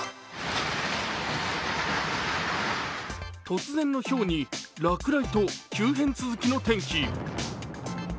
突然のひょうに落雷と急変続きの天気。